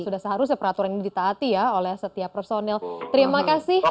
sudah seharusnya peraturan ini ditaati ya oleh setiap personil terima kasih